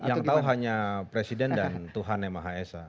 yang tahu hanya presiden dan tuhan yang maha esa